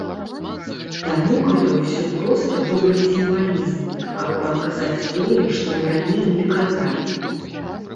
Таму гэта ўсё проста добры сімвалізм, каб паказаць тое, што мы раней не казалі.